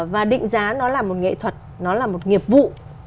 và định giá nó là một nghệ thuật nó là một nghiệp vụ